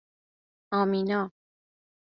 امینا